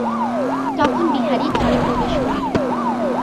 তখন বিহারী ঘরে প্রবেশ করিল।